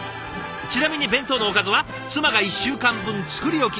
ちなみに弁当のおかずは妻が１週間分作り置き。